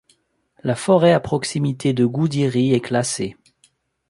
La forêt à proximité de Goudiry est classée.